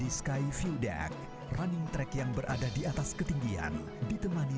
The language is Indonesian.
yang terdengar di angkasa mulai kau disini